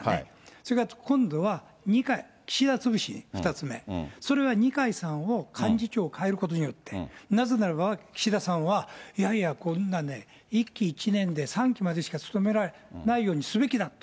それから今度は岸田潰し、２つ目、それは二階さんを、幹事長を変えることによって、なぜならば岸田さんはいやいや、こんなね、１期１年で３期までしか務められないようにすべきだと。